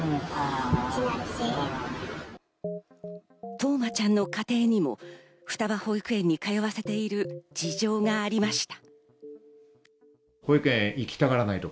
冬生ちゃんの家庭にも双葉保育園に通わせている事情がありました。